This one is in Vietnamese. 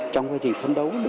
trong quá trình phấn đấu